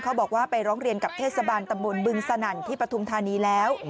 บอกว่าไปร้องเรียนกับเทศบาลตำบลบึงสนั่นที่ปฐุมธานีแล้ว